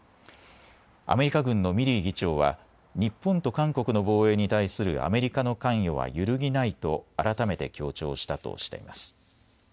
アメリカ軍のミリー議長は日本と韓国の防衛に対するアメリカの関与は揺るぎないと改めて強調したとしています。